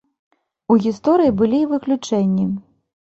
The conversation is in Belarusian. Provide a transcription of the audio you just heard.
У гісторыі былі і выключэнні.